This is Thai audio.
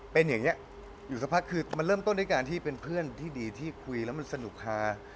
เป็นอย่างนี้อยู่สักพักคือมันเริ่มต้นด้วยการที่เป็นเพื่อนที่ดีที่คุยแล้วมันสนุกฮา